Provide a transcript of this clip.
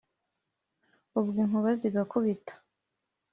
Ubwo inkuba zigakubita